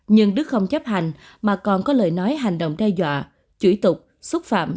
nhưng đức không chấp hành mà còn có lời nói hành động đe dọa chửi tục xúc phạm